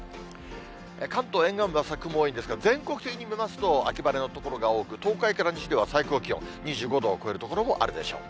関東沿岸部はも多いんですが、全国的に見ますと、秋晴れの所が多く、東海から西では最高気温２５度を超える所もあるでしょう。